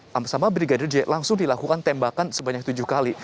sama sama brigadir j langsung dilakukan tembakan sebanyak tujuh kali